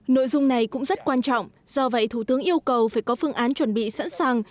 nội dung này cũng rất quan trọng do vậy thủ tướng yêu cầu phải có phương án chuẩn bị sẵn sàng